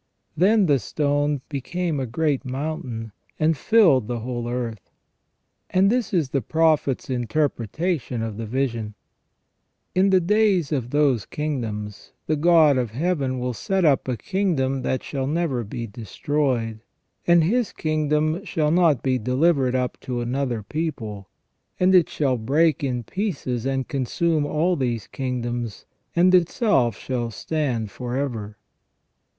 Then the stone " became a great mountain, and filled the whole earth ". And this is the Prophet's interpretation of the vision :" In the days of those kingdoms, the God of Heaven will set up a kingdom that shall never be destroyed, and His kingdom shall not be delivered up to another people, and it shall break in pieces and consume all these kingdoms, and itself shall stand for ever".